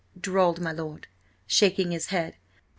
drawled my lord, shaking his head.